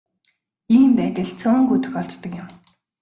Ийм байдал цөөнгүй тохиолддог юм.